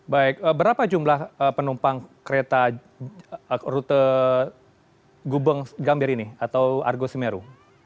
baik berapa jumlah penumpang kereta rute gubeng gambir ini atau argo semeru